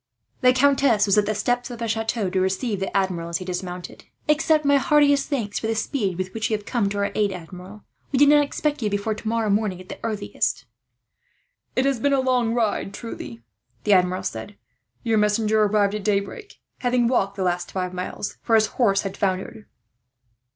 The countess was at the steps of the chateau, to receive the Admiral as he dismounted. "Accept my heartiest thanks for the speed with which you have come to our aid, Admiral. We did not expect you before tomorrow morning, at the earliest." "It has been a long ride, truly," the Admiral said. "Your messenger arrived at daybreak, having walked the last five miles, for his horse had foundered.